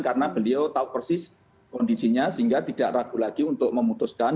karena beliau tahu persis kondisinya sehingga tidak ragu lagi untuk memutuskan